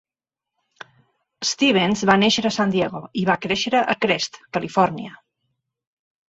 Stevens va néixer a San Diego i va créixer a Crest, Califòrnia.